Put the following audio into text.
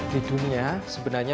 di dunia sebenarnya